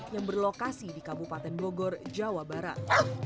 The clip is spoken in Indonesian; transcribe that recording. yang berlokasi di kabupaten bogor jawa barat